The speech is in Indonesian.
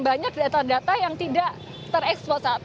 banyak data data yang tidak tereksposat